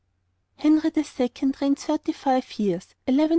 HENRY THE SECOND Reigned thirty five years: 1154 1189.